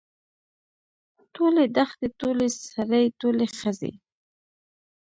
ټولې دښتې ټول سړي ټولې ښځې.